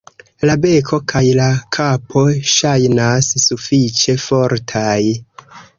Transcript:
La beko kaj la kapo ŝajnas sufiĉe fortaj.